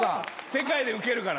世界でウケるから。